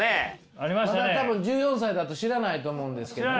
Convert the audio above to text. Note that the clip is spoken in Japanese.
あれは多分１４歳だと知らないと思うんですけどね。